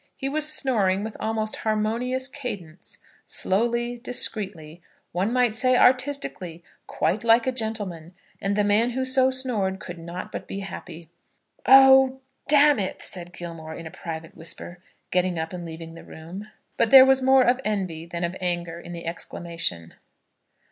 He was snoring with almost harmonious cadence, slowly, discreetly, one might say, artistically, quite like a gentleman; and the man who so snored could not but be happy. "Oh, d n it!" said Gilmore, in a private whisper, getting up and leaving the room; but there was more of envy than of anger in the exclamation.